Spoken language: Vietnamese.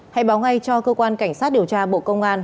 hãy báo ngay cho cơ quan cảnh sát điều tra bộ công an